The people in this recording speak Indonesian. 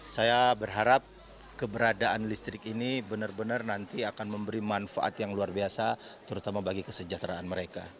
saya berharap keberadaan listrik ini benar benar nanti akan memberi manfaat yang luar biasa terutama bagi kesejahteraan mereka